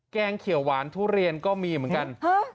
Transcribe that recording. แกงเขียวหวานทุเรียนก็มีเหมือนกัน